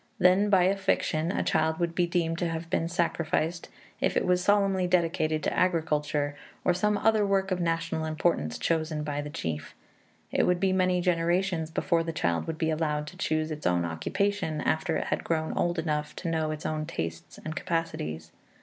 Then, by a fiction, a child would be deemed to have been sacrificed if it was solemnly dedicated to agriculture or some other work of national importance chosen by the chief. It would be many generations before the child would be allowed to choose its own occupation after it had grown old enough to know its own tastes and capacities.